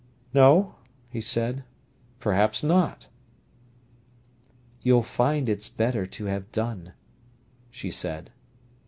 "No," he said, "perhaps not." "You'll find it's better to have done," she said.